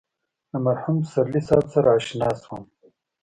له مرحوم پسرلي صاحب سره اشنا شوم.